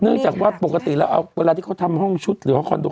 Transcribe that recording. จากว่าปกติแล้วเอาเวลาที่เขาทำห้องชุดหรือว่าคอนโด